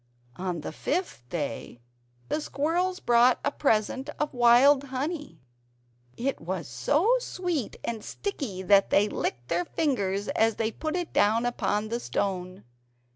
On the fifth day the squirrels brought a present of wild honey; it was so sweet and sticky that they licked their fingers as they put it down upon the stone.